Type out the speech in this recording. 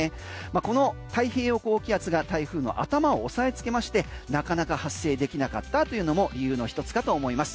この太平洋高気圧が台風の頭を押さえつけましてなかなか発生できなかったというのも理由の一つかと思います。